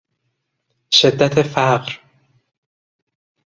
شدت فقر